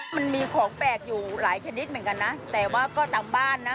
มันมีของแปลกอยู่หลายชนิดเหมือนกันนะแต่ว่าก็ตามบ้านนะ